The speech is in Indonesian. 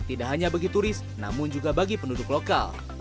tidak hanya bagi turis namun juga bagi penduduk lokal